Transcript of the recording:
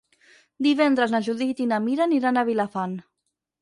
Divendres na Judit i na Mira aniran a Vilafant.